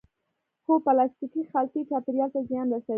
هو، پلاستیکی خلطی چاپیریال ته زیان رسوی